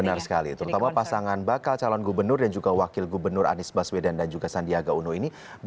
benar sekali terutama pasangan bakal calon gubernur dan juga wakil gubernur anies baswedan dan juga sandiaga uno ini